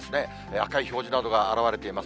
赤い表示などが現れています。